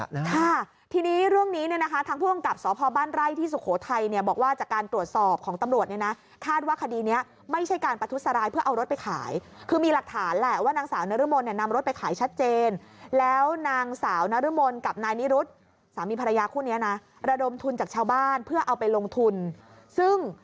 นะค่ะทีนี้เรื่องนี้เนี่ยนะคะทางผู้กำกับสพบ้านไร่ที่สุโขทัยเนี่ยบอกว่าจากการตรวจสอบของตำรวจเนี่ยนะคาดว่าคดีนี้ไม่ใช่การประทุษรายเพื่อเอารถไปขายคือมีหลักฐานแหละว่านางสาวนรมนเนี่ยนำรถไปขายชัดเจนแล้วนางสาวนรมนกับนายนิรุธสามีภรรยาคู่เนี้ยนะระดมทุนจากชาวบ้านเพื่อเอาไปลงทุนซึ่ง